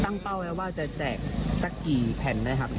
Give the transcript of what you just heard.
เป้าไว้ว่าจะแจกสักกี่แผ่นได้ครับ